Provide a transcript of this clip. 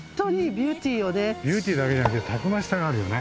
ビューティーだけじゃなくてたくましさがあるよね。